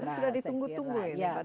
sudah ditunggu tunggu ini